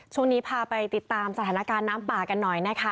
ช่วงนี้พาไปติดตามสถานการณ์น้ำป่ากันหน่อยนะคะ